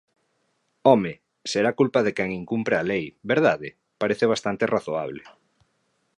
¡Home!, será culpa de quen incumpre a lei, ¿verdade?, parece bastante razoable.